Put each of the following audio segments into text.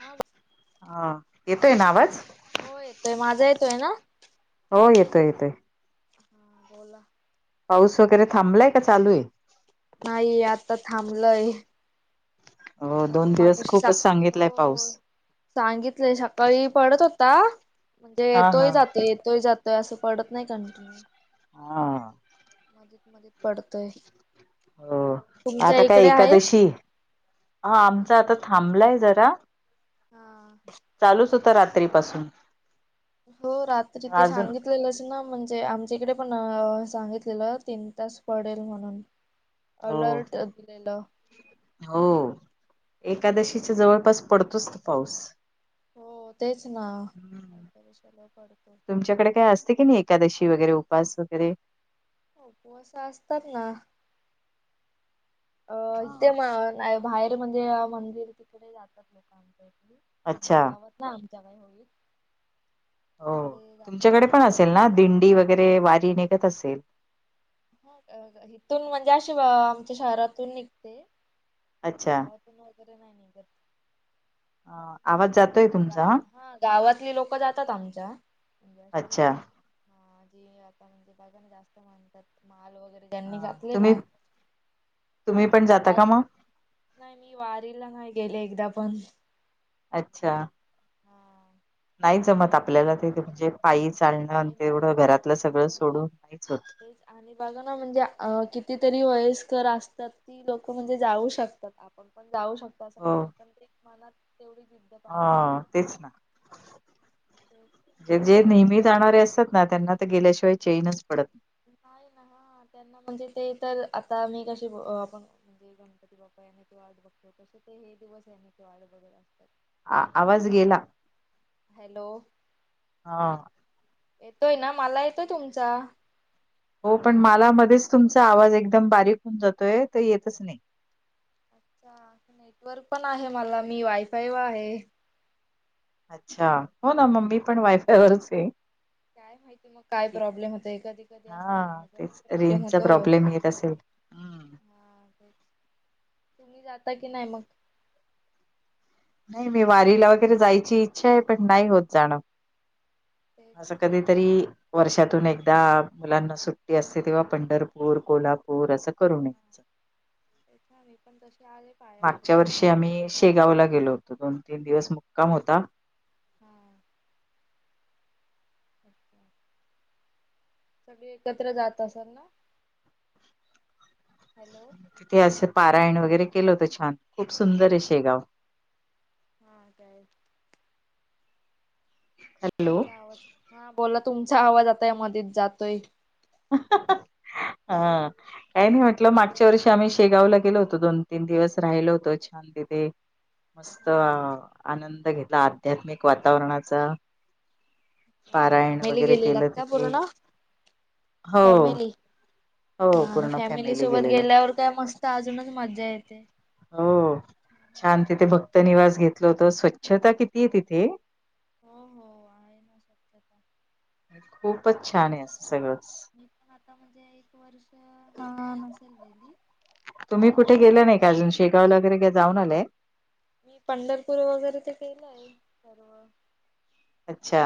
हा बोल हा येतोय ना आवाज? होय येतोय माझा येतोय ना हो येतोय येतोय. हा बोला पाऊस वगैरे थांबलाय का चालू आहे? नाही आता थांबलंय. हो अ दोन दिवस मगाशी सा खूपच सांगितलाय पाऊस. होय. सांगितले सकाळी पडत होता म्हणजे हा हा येतोय जातोय येतोय जातोय. असं पडत नाही कंटिन्यू हा मधी मधी पडतोय. हो तुमच्या आता काय इकडे आहे एकादशी हा आमचा आता थांबलाय जरा चालूच होता रात्री रात्री पासून तो रात्री ते सांगिलं - तेलंस ना म्हणजे आमच्याकडे पण सांगितलेलं तीन तास पडेल म्हणून. [unintelligible] अलर्ट दिलेलं. हो एकादशीच्या जवळपास पडतोचं तो पाऊस. हो तेच ना. तुमच्या कडे असते की नाही एकादशी वगैरे उपवास वगैरे? उपवास असतात ना अ इथे म ना - बाहेर म्हणजे मंदिर तिकडे जातात लोक आमच्या इथंली अच्छा. - आमच्या काय होईल. [inaudible] हो तिकडे जातात तुमच्याकडे पण बाहेर. असेल ना दिंडी वगैरे वारी निघत असेल. हितून म्हणजे अशी आमच्या शहरातून निघते. अच्छा गावातून वगैरे नाही निघत. हा आवाज जातो. गा - हा गावातली लोक जातात आमच्या. म्हणजे अशी अच्छा, हा.. जी आता म्हणजे बघा ना जास्त म्हणतात माल वगैरे [inaudible] अ, त्यांनी घातले तुम्ही ना तुम्ही पण जाता काय? का मग नाही मी वारीला नाही गेले एकदा पण - अच्छा! हा नाही तस मी जमत आपल्याला ते म्हणजे पायी चालणं आणि आहे ना तेवढं घरातलं सगळं म्हणजे सोडून नाहीच होत. तेच आणि बघा ना म्हणजे अ -कितीतरी वयस्कर असतात. ती लोकं म्हणजे जाऊ शकतात आपण पण जाऊ शकतो असं का नाही पण मनात तेवढी - हा तेचं ना म्हणजे आणि नेहमी मग जाणारे असतात ना त्यांना - तिथं गेल्याशिवाय चेनच पडत ना - नाही ना ह त्यांना म्हणजे ते तर आता मी कशी आपण म्हणजे. गणपती बाप्पा येण्याची वाट बघतो तसं ते हे दिवस येण्याची वाट बघतं असतात. आ -आवाज गेला हॅलो हा - येतोय ना मला येतोय तुमचा. हो पण मला मध्येच तुमचा आवाज एकदम बारीक होऊन जातोय, तर येतच नाही. अच्छा नेटवर्क पण आहे मला, मी वायफाय व आहे. अच्छा! हो, ना मम्मी पण वायफाय वरच हे. काय माहिती मग काय प्रॉब्लेम होत कधी कधी असं हा ह्याचा पण तेच प्रॉब्लेम रेंजचा होतो. प्रॉब्लेम येत असेल हम्म हा, तुम्ही जाता की नाही मग? नाही मी वारीला वगैरे जायची इच्छा आहे पण नाही होत जाणं. तेच असं ना कधीतरी - वर्षातून एकदा मुलांना सुट्टी असते तेव्हा पंढरपूर कोल्हापूर असं करून. हा.. मी पण तशी आले पाया पुुढे मागच्या वर्षी नंत बर आम्ही [inaudible] शेगावला गेलो होतो दोन तीन दिवस मुक्काम होता. हां. अच्छा! सगळे एकत्र जात असल ना? हॅलो! तिथे असं पारायण वगैरे केलं होतं छान, खूप सुंदर आहे शेगाव. हम्म काय? हॅलो. तुमचा आवाज, हा बोला तुमचा आवाज आता या मध्येच जातोय. ह.. ह़.. हा काही नाही म्हटलं मागच्या बोला वर्षी आम्ही शेगावला गेलो होतो त दोन तीन दिवस राहिल होतो छान तिथे मस्त हा आनंद घेत आध्यात्मिक वातावरणाचा, म्हणजे पारायण फॅमिली वगैरे केलं तिथे हो, फॅमली हो हा आणि पूर्ण फॅमिली सोबत गेलेलो. गेल्यावर काय मस्त अजूनच मजा येते. हो छान तिथे भक्त निवास घेतलं होत स्वच्छता किती आहे तिथे. हो.. हो.. आहे ना. खूपच छान आहे असं सगळंच मी पण आता म्हणजे एक वर्ष नसेल गेली. तुम्ही त्याच्या कुठे आदल्या गेला नाही वर्षी का, गेली. अजून शेगावला वगैरेय जाऊन आले? मी पंढरपूर वगैरे ते केलं आहे सर्व अच्छा!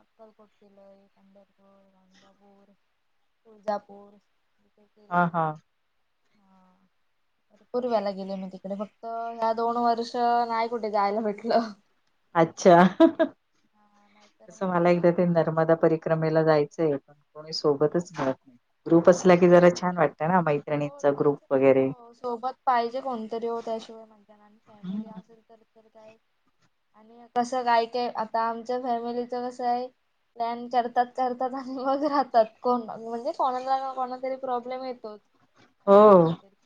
अक्कलकोट किलई, पंढरपूर, रांगापूर, तुळजापूर हा केलय हा [inaudible] पूर्वला गेले मी तिकडे फक्त ह्या दोन वर्ष नाही कुठे जायला भेटलं. अच्छा!.. ह़.. हा नाहीतर तस मग मला एकदा जायच ते तर नर्मदा परी क्रमेला जायचंय पण कोणी सोबतच मिळत नाही, ग्रुप असला की जरा छान वाटतं ना माहि हो तेच ना हो सोबत पाहिजे कोणतरी हो त्याशिवाय मज्जा नाय येत हं. फॅमिली असेल तर तर काय आणि कसं काय काय आता आमच्या फॅमिलीचं कसं आहे प्लॅन करतात करतात आणि मग राहतात कोण म्हणजे कोणाला कोणा तरी प्रॉब्लेम येतोच. काही ना हो. काहीतरी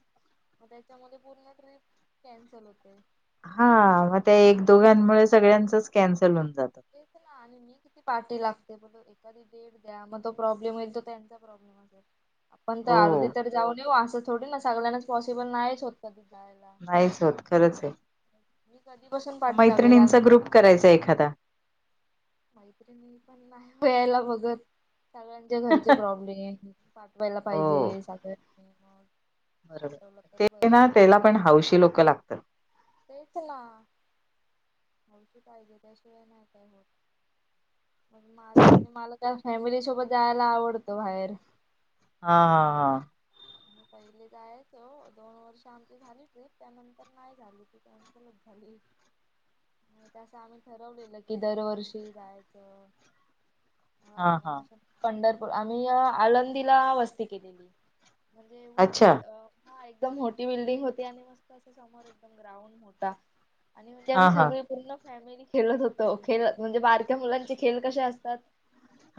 मग त्याच्यामध्ये पूर्ण ट्रिप कॅन्सल होते हा मग त्या एक दोघांमुळे सगळ्यांचच कॅन्सल होऊन जात तेच ना आणि मी किती पार्टी लागते बोल एका डेट द्या, मग तो प्रॉब्लेम होईल त्यांचा प्रॉब्लेम असेल आपण तर अर्धे हो तर जाऊन येऊ असं थोडी ना सगळ्यांनाच पॉसिबल नाहीच होत का ते जायला. नाहीच होत खरंच आहे. मी कधी मैत्रिणींचा ग्रुप करायचा एखादा. माैत्री नाही पण नाही व यायला बघत सगळ्यांचे घरचे प्रॉब्लेम पाठवायला हो पाहिजे सगळ बरोबर ते ना बरं त्याला पण हावशी लोक लागतात. तेच नाती पाहिजे त्याशिवाय नाही काय हो आणि मला त्या फॅमिली सोबत जायला आवडतं बाहेर हा हा हा आम्ही पहिले जायचो दोन वर्ष आमची झाली ट्रीप त्यानंतर नाही झाली ती ल झाली नाहीत असं आम्ही ठरवलेलं की दरवर्षी जायचं हा हा. पंढरपूर आम्ही आळंदीला वस्ती केलेली. म्हणजे एवढी अच्छा मज्जा अ हा एकदम मोठी बिल्डिंग होती आणि मस्त अस समोर एकदम ग्राउंड मोठा आणि म्हणजे हा आम्ही हा सगळी पूर्ण फॅमिली खेळत होतो खेळत म्हणजे बारक्या मुलांचे खेळ कसे असतात.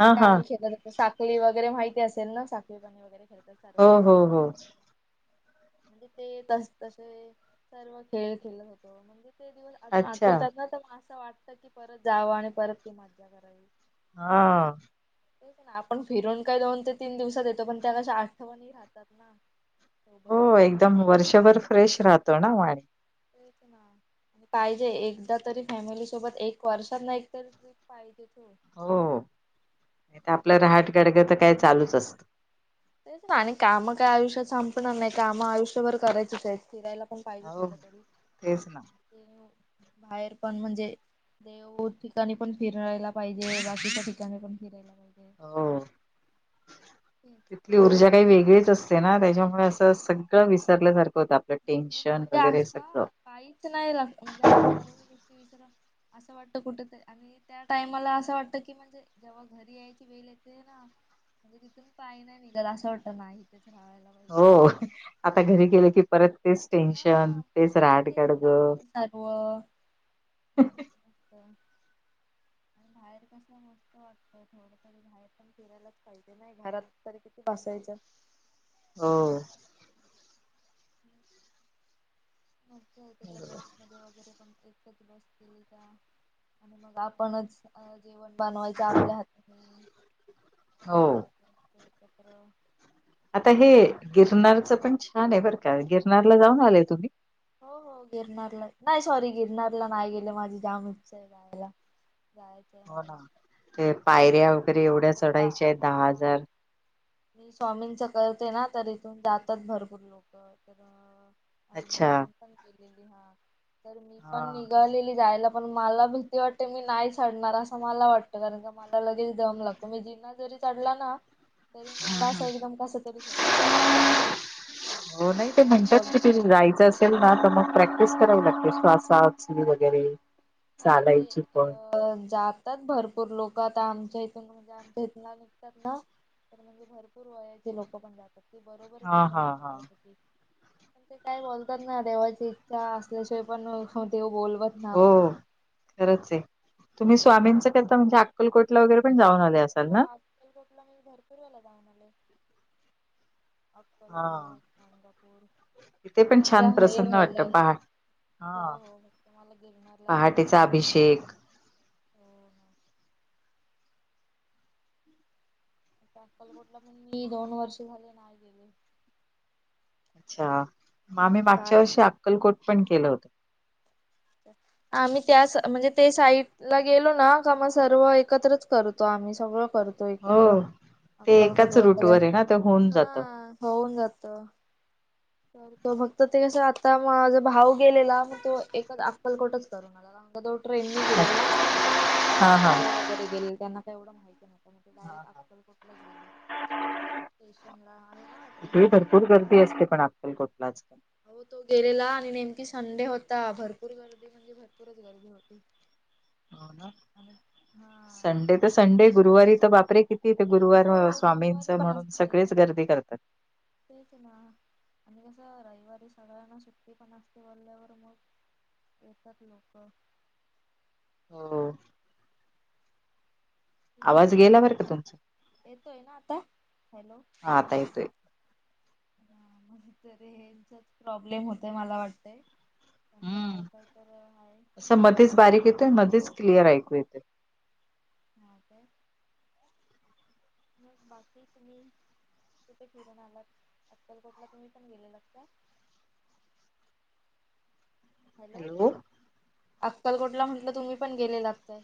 हा त्या हा आम्ही खेळत असतो, साखली वगैरे माहिती असेल ना साखळी पाणी वगैरे- हो सर्वांची हो साखळी हो म्हणजे ते तस तसे सर्व खेळ खेलत होतो म्हणजे, ते दिवस अजून अच्छा. आठवतात ना तर मग असं वाटतं की परत जावं आणि परत ती मज्जा करावी. हा आपण फिरून काही दोन ते तीन दिवसात येतो पण त्या क आठवणणी राहतात. कर ना. सोबत हो एकदम वर्षभर फ्रेश राहतो ना मग. तेच ना आणि पाहिजे एकदा तरी फॅमिली सोबत एक वर्षात नाही तरी ट्रिप पाहिजे. हो नाही तर आपलं रहाट गडगं तर काय चालूच असतं. तेच ना आणि काम काय आयुष्यात संपणार नाही, काम आयुष्यभर करायचीच आहेत फिरायला, प पाहिजे हो थोड तरी तेच ना बाहेर पण म्हणजे, देऊ ठिकाणी पण फिरायला पाहिजे, बाकीच्या ठिकाणी पण फिरायला पाहिजे. हो तथली ऊर्जा, काही वेगळेच असते ना त्याच्यामुळे असं सगळं विसरल्यासारखं होतं आपल्या, टेन्शन वगैरे सगळं, पाहीच नाही म्हणजे असं सर्व गोष्टी [unintelligible] अस वाटतं कुठ आणि त्या टाइमला असं वाटत की म्हणजे, घरी यायची वेळ येते ना, म्हणजे तिथून पाय नाही निघत असं वाटत नाही इथच राहावं. हो आता घरी गेले की परत, तेच टेन्शन, हा तेच तेच राहाटगाडग. काम सर्व असंच असत बाहेर कस मस्त वाटत ना. बाहेर पण फिरायलाच पाहिजे नाही [unintelligible] हो बरोबर. [unintelligible] मध्ये वगैरे पण एकच बसतील, का आणि मग आपणचं- अ जेवण बनवायचं आपल्या हाताने. हो. पत्र. आता हे गिरनारचं पण छान आहे बरं का, गिरनारला जाऊन आलेय तुम्ही? हो हो, गिरणारला, नाही सॉरी गिरणारला नाही गेले माझी जाम इच्छा आहे. जायलां जायच. हो ना ते पायऱ्या वगैरे एवढ्या चढायच्या आहेत दहा हा हजार. मी स्वामींच करते ना, तर इथून जातात भरपूर लोक तर आधी माधी. अच्छा केले ह तर मी पण हा निघाले. जायला पण मला भीती वाटते, मी नाही चडणार असं मला वाटत, कारण मला लगेच दम लागतो. ऐकदा जरी चढला ना, तरी मला असं एकदम कस तरीच होतो, हो पण नाही ते काय- म्हणतात की जायचं असेल ना तर मग हा प्रॅक्टिस करावी लागते, श्वासात वगैरे - काय म्हणते असं - जातात भरपूर लोकं, आता आमच्या इथून म्हणजे आमच्या इथून निघतात ना, भरपूर वयाचे लोक पण जातात, ते बरोबर हा हा हा [unintelligible] ते काय बोलतात ना, देवाची इच्छा असल्याशिवाय पण देव बोलवत- ना हो, आपल्याला खरंच आहे, तुम्ही स्वामींच करता म्हणजे, आक्कलकोटला वगैरे पण जाऊन आले असाल ना. आक्कलकोटला ला मी भरपूर वेला जाऊण आले. हा अक्कलकोट, गाणगापूर, तिथे फक्त पण माझा छान हे प्रसन्न वाटत राहिलय. पहाट हो हा हो, मग तुम्हाला गिरणाला जायचं पहाटेचा कधी, कशी, अभिषेक आक्कलकोटला लकोटला पण मी दोन वर्ष झाले नाही गेले. अच्छा, आम्ही मागच्या वर्षी जायच अक्कलकोट पण केलं होतं. अच्छा, आम्ही त्याच, म्हणजे ते साईड ला गेलो ना का मग सर्व एकत्रच करतो आम्ही, सगळं करतो. एकत्र, हो ते आक्कलकोट एकाच रूट वैगेरे,, वर आहे ना ते होऊन जात हा,, होऊन जातं. फक्त ते कस, आता माझ भाऊ गेलेला मग तो एकच अक्कलकोटच करून आला. तो ट्रेननी हा गेलेला, हा हा मुलं वगैरे गेले त्यांना काही एवढं माहिती नाही. मग ते डायरेक्ट हा. अक्कलकोटलाच गेले, स्टेशन ला आहे का ट्रेनी. फुलं गर्दी असते पण आत आक्कलकोटलाच. हो तो गेलेला आणि नेमकी संडे होता, भरपूर गर्दी म्हणजे भरपूर. गर्दी होती. हो ना, आणि हा संडे तर संडे गुरुवारी तर बापरे किती तिथे गुरुवार हो गुरुवारी स्वामींचं पण म्हणून असते सगळेच गर्दी करतात. तेच ना. आणि कसं रविवारी सगळ्यांना सुट्टी पण असते, बोलल्यावर मग येतात लोकं. हो. आवाज गेला बर का तुमचा,, येतोय ना आता हॅलो हा आता येतोय ह म्हजे त हेचाच प्रॉब्लेम होतय मला वाटतय. त्यांचा वायफाय तर आहे. आस मध्येच बारीक येतय, मध्येच क्लिअर ऐकू येतय. हो काय. मग बाकी तुम्ही कुठे फिरून आलात, अक्कलकोटला तुम्ही पण गेलेलात काय. हॅलो अक्कलकोटला म्हटलं तुम्ही पण गेले लागतय?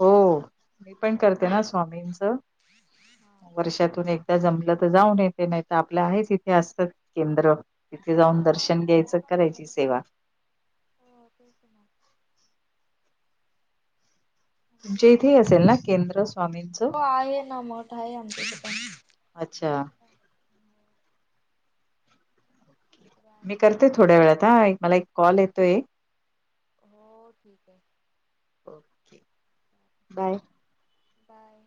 हो मी पण करते ना स्वामींच हा वर्षातून एकदा जमलं तर जाऊन येते नाही तर आपलं आहेच इथे असत केंद्र तिथे जाऊन हो दर्शन आमच्या इथे घ्यायचं पण करायची आहे मग सेवा हो तेच ना. तुमच्या इथेही असेल ना केंद्र स्वामींचं? हो आहे ना मोठ आहे आमच्यास पण? अच्छा. जाता हो इकडे मी आहे करते भरपूर थोड्या वेळात एक मला एक कॉल येतोय हो ठीक आहे. क बाय. बाय.